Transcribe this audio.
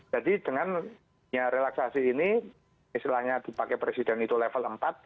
jadi dengan relaksasi ini istilahnya dipakai presiden itu level empat